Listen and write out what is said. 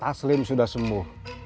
aslim sudah sembuh